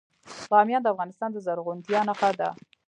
بامیان د افغانستان د زرغونتیا نښه ده.